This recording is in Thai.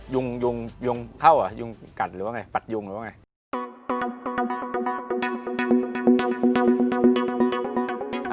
ยุงยุงเข้าอ่ะยุงกัดหรือว่าไงปัดยุงหรือว่าไง